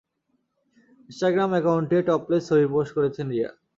Instagram অ্যাকাউন্টে topless ছবি post করেছেন রিয়া।